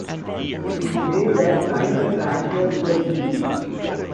We lay that night at anchor with the fleet.